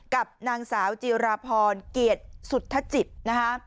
กับนางสาวจีราพรเกียรติสุธจิตนะคะ